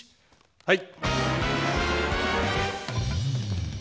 はい。